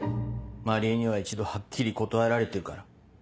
万里江には一度はっきり断られてるから。